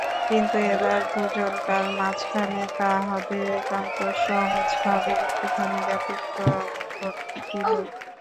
কিন্তু এবার দুজনকার মাঝখানে তাহাদের একান্ত সহজ ভাবের একটুখানি ব্যতিক্রম ঘটিল।